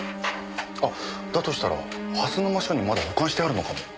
あっだとしたら蓮沼署にまだ保管してあるのかも。